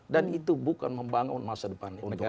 dan itu bukan membangun masa depan negara yang lain